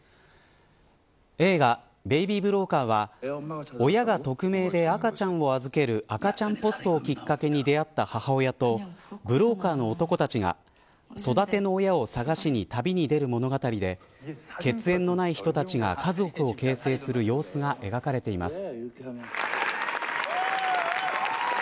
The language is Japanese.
映画、ベイビー・ブローカーは親が匿名で赤ちゃんを預ける赤ちゃんポストをきっかけに出会った母親とブローカーの男たちが育ての親を探しに旅に出る物語で血縁のない人たちが家族を形成する様子が描かれています。